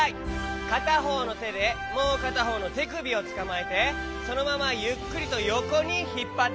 かたほうのてでもうかたほうのてくびをつかまえてそのままゆっくりとよこにひっぱっていくよ。